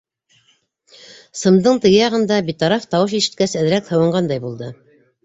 Сымдың теге яғында битараф тауыш ишеткәс, әҙерәк һыуынғандай булды.